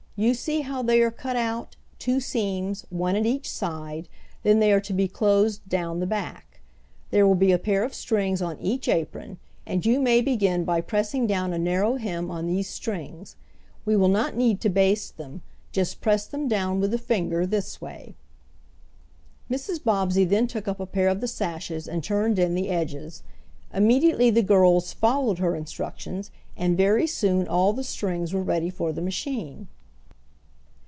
You see how they are cut out; two seams, one at each side, then they are to be closed down the back. There will be a pair of strings on each apron, and you may begin by pressing down a narrow hem on these strings. We will not need to baste them, just press them down with the finger this way." Mrs. Bobbsey then took up a pair of the sashes and turned in the edges. Immediately the girls followed her instructions, and very soon all of the strings were ready for the machine.